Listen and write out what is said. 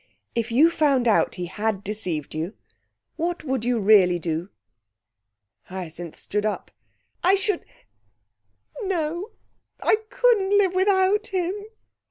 If you found out he had deceived you, what would you really do?" Hyacinth stood up. "I should no, I couldn't live without him!"